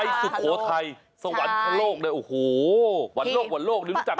ในสุโขทัยสวรรค์ทั้งโลกได้โอ้โหหวันโลกหวันโลกหรือรู้จักที่